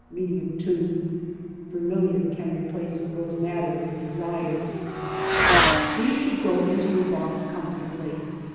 •••» >i Vermilion can replace rose madder if desired. These should go into your box comfortably.